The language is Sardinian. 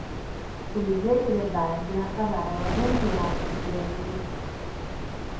Su livellu de bàrdia abarrat semper artu in Bèlgiu.